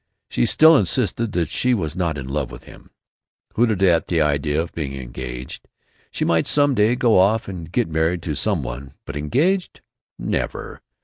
She still insisted that she was not in love with him; hooted at the idea of being engaged. She might some day go off and get married to some one, but engaged? Never!